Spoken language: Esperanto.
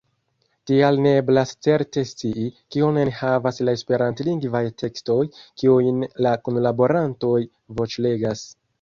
Tial ne eblas certe scii, kion enhavas la esperantlingvaj tekstoj, kiujn la kunlaborantoj voĉlegas.